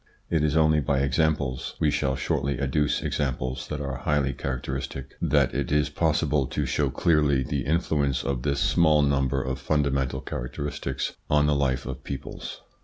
It is only by examples we shall shortly adduce examples that are highly characteristic that it is possible to show clearly the influence of this small number of fundamental characteristics on the life of peoples.